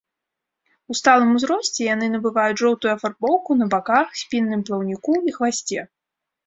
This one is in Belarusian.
У сталым узросце яны набываюць жоўтую афарбоўку на баках, спінным плаўніку і хвасце.